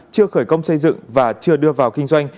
chưa khởi công xây dựng và chưa đưa vào kinh doanh